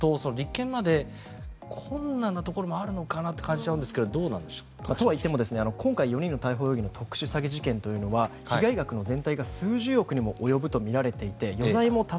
そうなると立件まで困難なところもあるのかなと感じてしまうんですがどうなんでしょう？とはいっても今回、容疑者の逮捕容疑の特殊詐欺というのは被害額の全体が数十億にも上るとみられています。